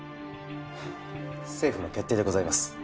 政府の決定でございます。